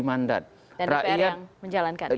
mandat dan dpr yang menjalankan